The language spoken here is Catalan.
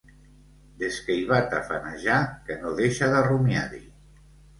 Des que hi va tafanejar que no deixa de rumiar-hi.